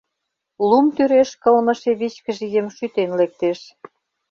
лум тӱреш кылмыше вичкыж ийым шӱтен лектеш.